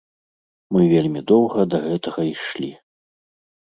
Мы вельмі доўга да гэтага ішлі.